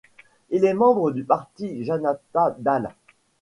Il est membre du parti Janata Dal.